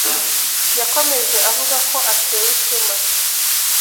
Yakomeje avuga ko atewe ishema